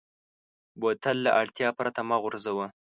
بوتل له اړتیا پرته مه غورځوه.